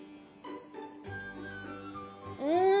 うん。